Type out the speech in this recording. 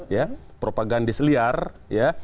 ya propagandis liar ya